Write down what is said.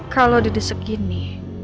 kalau didesek gini